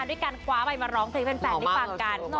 ด้วยการคว้าใบมาร้องเพลงให้แฟนได้ฟังกัน